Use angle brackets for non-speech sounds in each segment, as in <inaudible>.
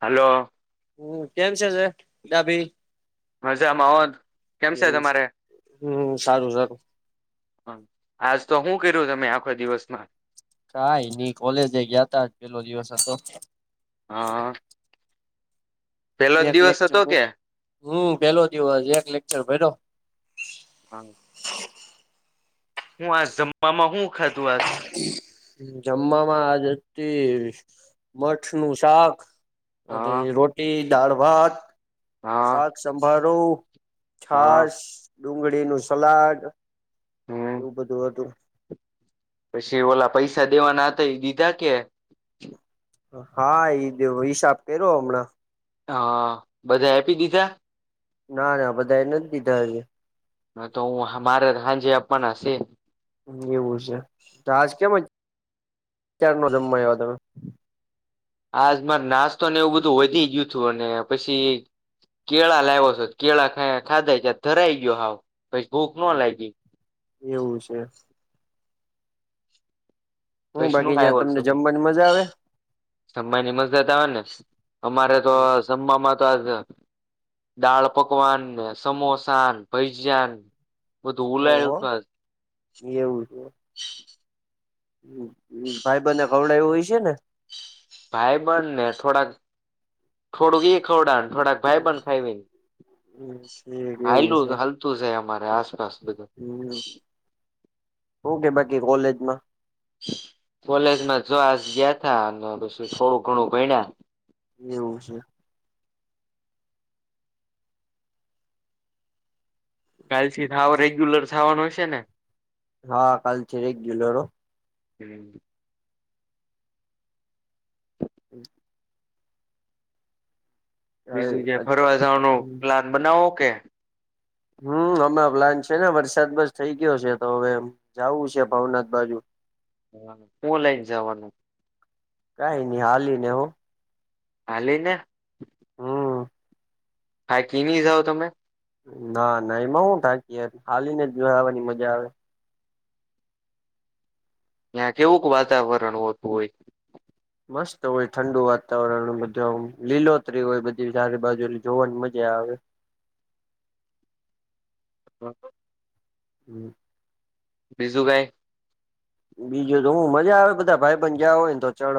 Hello હમ કેમ છે ડાભી મજામાં હો કેમ છે તમારે હમ સારું સારું આજ તો હું કર્યું ત મે આખા દિવસમાં કાઈ નહી કોલેજે ગયા ને પેલો દિવસ હતો હા પેલો જ એક દિવસ લેક્ચર હતો ભર કે હમ પેલો દિવસ એક લેકચર ભર્યો હું આ જમવામાં હું ખાધું આજ જમવામાં આ જ હતી મઠ નું શાક અને હા રોટલી, દાળ-ભાત. હા શાક, સંભારો, હા છાસ. ડુંગળી નું સલાડ હમ એવું બધું હતું. પછી, ઓલા પૈસા દેવાના હતા એ દીધા કે? હા એઈ દવ હિસાબ કર્યો હમણાં હા બધાંય આપી દીધા ના ના બધા એ નથી દીધા હજી હ તો હું મારે સાાંજે આપવાના છે. એવું છે આજ કેમાર ક્યારનો હતો આજ માર નાસ્તો ને એવું બધું વધી ગયું હતું અને પછી કેળા લાવો છો કેળા ખાધા છે ધરાઈ ગયો હાવ પછી ભૂખ ન લાયગી એવું છે હું વૈષ્ણુ બાકી કઈ ત્યાં બોલસો તમને હ જમવાની મજા આવે <unintelligible> સમવાની મજા જ આવે ને અમારે તો સમવાંમાં <unintelligible> દાળ પકવાન ને સમોસા ભૈજન ઓહો <unintelligible> હ ભાઈ બંને ખવડાયું હશે ને ભાઈ બંધને થોડાક થોડુંક એ ખવડાણ થોડાક હમ ભાઈબંધ ખાઈ ઠીક એવું હલું છે હલતું છે અમારે બસ રાસ તો ઓ કે બાકી કોલેજમાં કોલેજમાં જોવા ગયા તા અને પછી થોડું ઘણું ભણ્યા એવું છે. કાલથીત સાવ રેગ્યુલર થાવાનું હશે ને? હા કાલ થી રેગ્યુલર હો <inaudible> <inaudible> બીજું જયા ફરવા જવાનું પ્લાન બનાવો કે હમ અમે પ્લાન છે ને વરસાદ બસ થઈ ગયો છે તો હવે જાવું છે ભાવનાથ બાજુ હ શું લયન જવાનું? કઈ નહી હાલી ને હો હાલીને હમ થાકી નય જાવ તમે ના ના એમાં હું થાકી યાર હાલીને જ જાવાની મજા આવે ત્યાં કેવુંક વાતાવરણ હોતુહોય મસ્ત હોય ઠંડુ વાતાવરણ બધું લીલોતરી હોય બધી સારેયબાજુ જોવાની મજા આવે <inaudible> <inaudible> હમ. બીજું કઈ? બીજું તો હું મજા આવે બધા ભાઈ પણ ગયા હોયને તો ચડ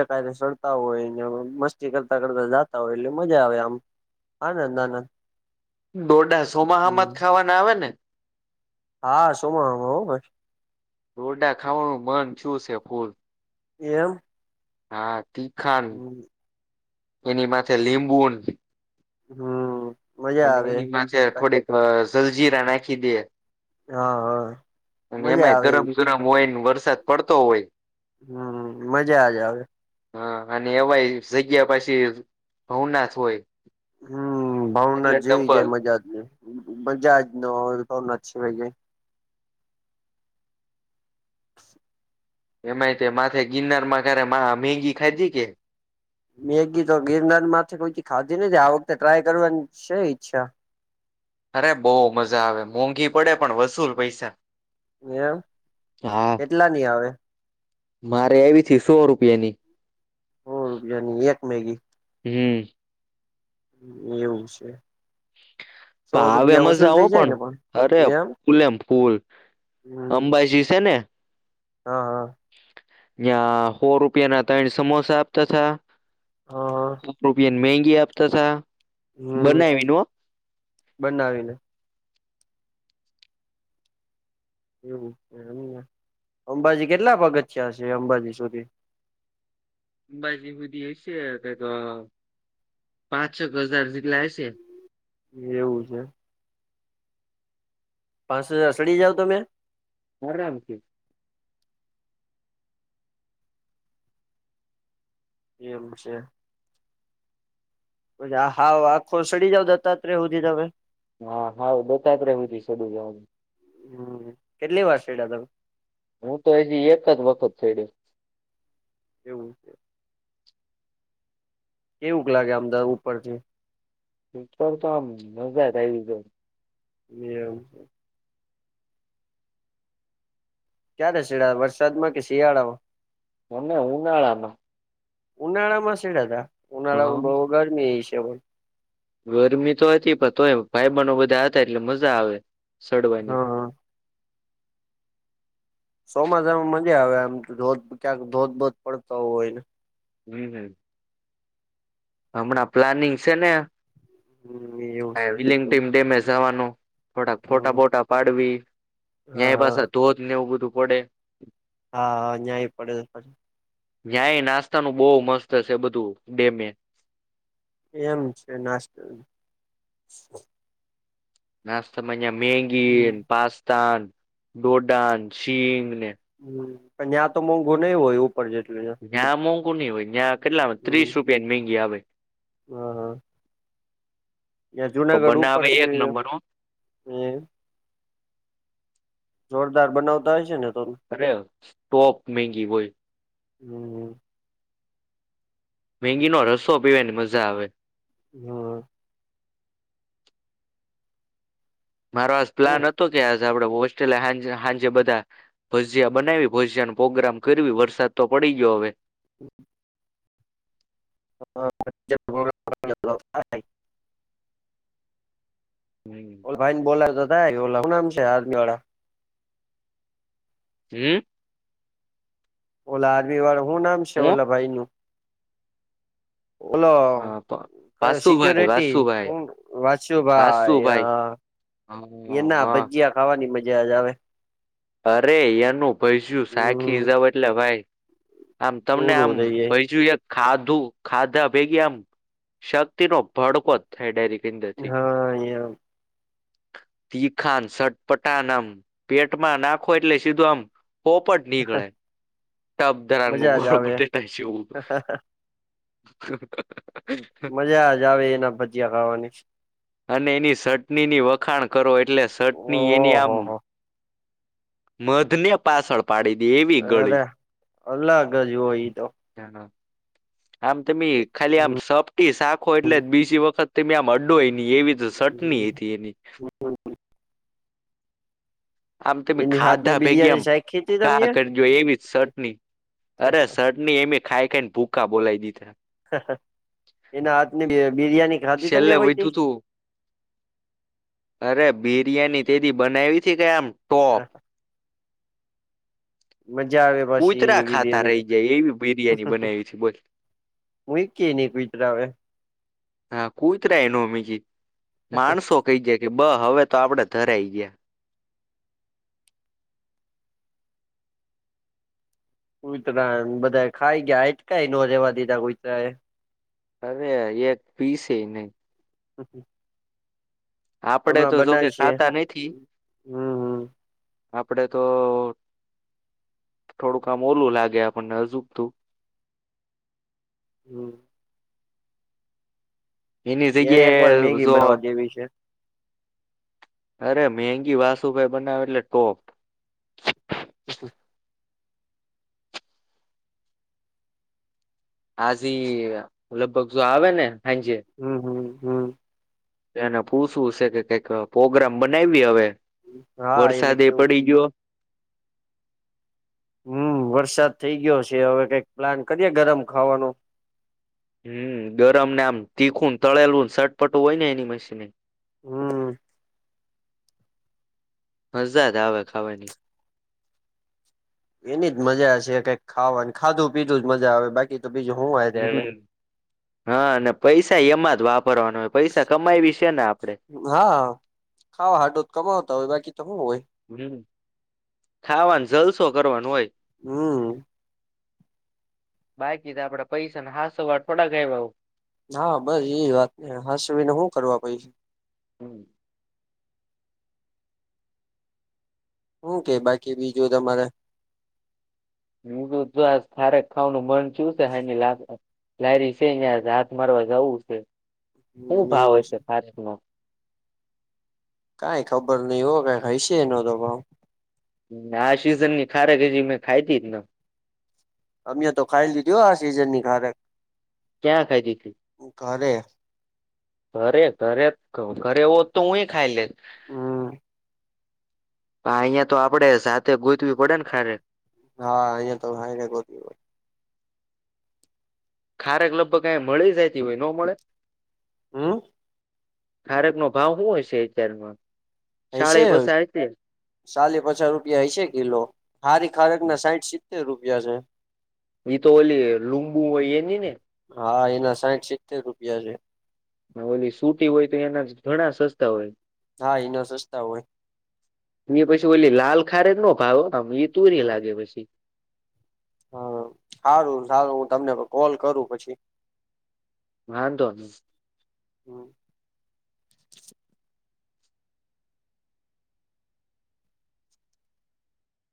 એક ચડતા હોય ને મસ્તી કરતા કરતા જતા હોય એટલે મજા આવે આમ આનંદ આનંદ ડોડા સોમાહા માં હમ જ ખાવાના આવે ને? હા સોમાહામા હો ભાઈ. ડોડા ખાવાનું મન થ્યુ સે ફુલ. એમ. હા તીખાન એની માથે લીંબુ હમ. મજા અને આવે એનીમાંથે મકાન થોડીક જલજીરા નાખી દે હા હા. અને મજા એમાંય આવે ગરમ એ પણ ગરમ હોય ન વરસાદ પડતો હોય હમ મજાજ આવે હા અને એવાય જગ્યા પાછી ભવનાથ હોય હમ એટલે ભાવનાથ જેવી કયાંય ડબ્બલ મજાજ નય મજાજ ન ભવનાથ સિવાય ક્યાંય <inaudible> એમાંય તે માથે ગીરનારમાં ઘરે માં મેગી ખાયધી કે. મેગી તો ગિરનારમાંથી કોઈદી ખાધી નથી આ વખતે ટ્રાય કરવાની છે, ઈચ્છા અરે બહુ મજા આવે મોંઘી પડે પણ વસૂલ પૈસા એમ હા કેટલાની આવે? મારે આયવીતી સો રૂપિયાની. સો રૂપિયાની એક મેગી. હમ એવું છે. પ સો આવે રૂપિયા મજા વસૂલ થઇ આવો જાય પણ ને અરે એમ ફૂલ એ ફૂલ હમ અંબાઈજી સે ને હા હા. ન્યાં સો રૂપિયા ના તયણ સમોસા આપતા થા હા હા સો રૂપિયા મેગી આપતાતા હમ બનાવીને હો બનાવીને. એવુ એમને. અંબાજી કેટલા પગથયા છે? અંબાજી સુધી અંબાાજી સુધી હયસે કાંઈક પાંચક હજાર જેટલા હયસે એવું છે. પાંચ હજાર સડી જાવ તમે? આરામથી. એમ છે. પસી, આ હાવ આખો સઢી જાવ દત્તાત્રેય હુધી તમે? હા હા દત્તાત્રેય સુધી ચડ્યું જવાનું હમ, કેટલી વાર સડ્યા તમે? હું તો હજી એક જ વખત સડ્યો. એવું છે. કેવુંક લાગે આમ દ ઉપરથી? ઉપર તો આમ મજા જ આવી જાય. એમ છે. ક્યારે સડ્યા વરસાદમાં કે શિયાળામાં? અમને ઉનાળામાં ઉનાળામાં સડ્યા તા હા ઉનાળામાં બઉ ગરમીય હશે પણ ગરમી તો હતી, પણ તોય ભાઈબંધો બધા હતા એટલે મજા આવે સડવાની. હા સોમાસામાં મજા આવે આમ ધોધ ક્યાંક ધોધ-બોધ પડતો હોય. હમ્મ હમ્મ. હમણાં પ્લાનિંગ છે ને હમ એવું આ છે વિલિંગ ટીમ ડેમે જાવાનું. થોડાક હમ ફોટા-બોટા પાડવી ત્યાંય હા પાસા ધોધને એવું બધું પડે. હા, ન્યાય પડે છે પાછ ન્યાય નાસ્તાનું બઉ મસ્ત શે બધું, ડેમે. એમ છે નાસ્ત નાસ્તામાં ન્યા મેંગી, હમ પાસ્તાન, ડોડાન, શીંગને હમ્મ પણ ન્યાં તો મોંઘુ નઈ હોય ઉ ન્યાં મોંઘુ ની હોય ન્યાં કેટલામાં હમ ત્રીસ રૂપિયાની મેંગી આવે. <inaudible> યા તો જુનાગઢ ઉપર બનાવે છે. એક નંબર હો એ જોરદાર બનાવતા હોય છે ને. તો અરે સ્ટોપ મેગી હોય. હમ. મેંગીનો રસ્સો પીવાની મઝા આવે. હ અ. મારો આજ પ્લાન હતો કે આ જે આપડે હોસ્ટેલે હાંજે હાંજે બધા ભજીયા બનાવી, ભજીયાનો પ્રોગ્રામ કરવી વરસાદ તો પડ પડી ગ્યો હવે. <inaudible> <unintelligible> હમ ઓલ ભાઈન બોલાય તો થાય ઓલા હુ નામ છે આર્મીવાળા હમ્મ. ઓલા, આર્મીવાળા હુ નામ શે હું ઓલા ભાઈનું? ઓલો, અ, પ- કયો વાસુભાઈ સિક્યોરિટી વાસુભાઈ વાંછુંભાઈ અ વાસુભાઈ હા એના હા ભજીયા ખાવાની મજા જ આવે. અરે, એનું ભજિયું ચાખી હમ જાવ એટલે ભાઈ. આમ તમને પૂરું આમ થઈ ભઈજુ યાદ ખાધું, ખાધા ભેગી આમ શક્તિનો ભડકો થાય ડાયરેક્ટ. હ ય તીખાન-સટપટાન આમ પેટમાં નાખો એટલે સીધું આમ પોપટ નીકળે તપ ધરાગું મજા જ ગોળ આવે બટેટા જેવુ. <inaudible> મજા જ આવે એના ભજીયા ખાવાની. અને એની સટણીની વખાણ કરો એટલે સટની એની આમ ઓહો હો મધને પાછળ પાડી દે એવી ગળી. અરે અલગ જ હોય તો <unintelligible> આમ તમે ખાલી આમ સપટી શાખો એટલે બીજી વખત તમે આમ અડોય એવી તો સટની હતી એની. આમ તમે એની હાથની ખાધા ભેગયામ બિરિયાની શાયખ હતી ઘા તમે કરદિયો એવી જ સટની અરે સટણી એમે ખાઈ ખાઈને ભૂકા બોલાય દીધા. એના હાથ ની બિરિયાની ખાધી છેલ્લે તમે <inaudible> વધ્યું તું અરે બિરિયાની તેથી બનાવી છે કે આમ ટોપ મજા આવે પાછી કૂતરા ખાતા રહી જાય એવી બિરિયાની <unintelligible> બનાવી હતી બોલ હું એક કેને <unintelligible> આવે હા કુતરા ન અમીજી માણસો કઈ જાય કે બ હવે તો આપડે ધરાય ગયા કુઈતરા બધા ખાઈ ગયા એટકાય ન રેવા દીધા કુઈતરા એ હવે એક પીસે નહી <unintelligible> આપડે હમણાં તો જોકે બનાવીશે ખાતા નઈ થી હમ આપડે તો થોડુંક આમ ઓલું લાગે આપણને હજુ તું હમ એની એને એક વાર જગ્યા મેગી જો બનાવા દેવી છે અરે મેગી વાસુભાઈ બનાવે એટલે ટોપ <inaudible> હાજી લગભગ શ આવે ને હાંજે હમ હમ હમ એને પૂછું છે કે કઈક પ્રગ્રામ બનાવીએ હવે. હા એને વરસાદ એ કેવું પડી ગ્યો. હમ્મ વરસાદ થઈ ગ્યો સે હવે કઈક પ્લાન કરીએે ગરમ ખાવાનો. હમ્મ ગરમને આમ તીખું તળેલું શટ પટુ હોય ને એની માસી ને. હમ હજાદ આવે ખાવાની એની જ મજા છે કઈક ખાવાની ખાધું પીધું જ મજા આવે બાકી તો બીજું હું હારે આવે હમ હા અને પૈસા એમાં જ વાપ પરવાનું હોય પૈસા કમાય વિશેને આપડે હા ખાવા હાટું જ કમાવતા હોય બાકી તો હું હોય હમ ખાવાનું જલસો કરવાનું હોય હમ બાકી તો આપડે પૈસા હાથ સવાર થોડાકું હા બસ એ વાત ને હસવીને હું કરવા પય છે હમ હું કેય બાકી બીજું તમારે <unintelligible> લારી છે હાથ મારવા જવું છે શું હમ ભાવ એવું હોય છે ફાર નો કાઈ ખબર નઈ હો ક ખ છે એ ન તો ભાવ આ સિઝન ની ખારે હજી મેં ખાઈ ધી જ ન અમે તો ખાઈ લીધું આ સિઝન ની ખારક ક્યાં ખાઈધી તી <inaudible> ઘરે ઘરે ઘરે હો તો હુંય ખાઈ લે હમ આહિયાં તો આપડે સાથે ગૂતવી પડે ને ખારે હા અહયા તો <unintelligible> ખારેક લગભગ અયા મળી જાતી હોય ના મળે હમ ખારેકનો ભાવ હું હશે અત્યારમાં <unintelligible> સાલી પચાસ રૂપિયા હઈસે કિલો હારી ખારેકના સાહીઠ સિત્તેર રૂપિયા છે એ તો ઓલી લુંબુ હોય એની ને હા એના સાહીઠ સિત્તેર રૂપિયા છે ઓલી સૂટી હોય તો એના ઘણા સસ્તા હોય હા એના સસ્તા હોય <unintelligible> પછી ઓલી લાલ ખા ખારેકનો ભાવ એ તુરી લાગે પછી હમ હારુ સારું હું તમને કોલ કરું પછી વાંધો નઈ હમ